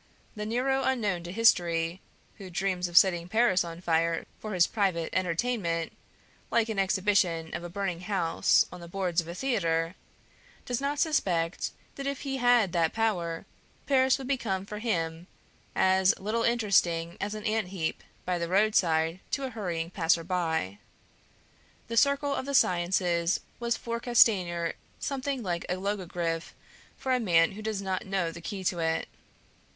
The Nero unknown to history who dreams of setting Paris on fire for his private entertainment, like an exhibition of a burning house on the boards of a theater, does not suspect that if he had that power, Paris would become for him as little interesting as an ant heap by the roadside to a hurrying passer by. The circle of the sciences was for Castanier something like a logogriph for a man who does not know the key to it.